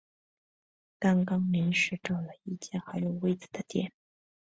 刚刚临时找了一间还有位子的店